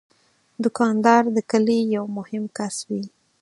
دوکاندار د کلي یو مهم کس وي.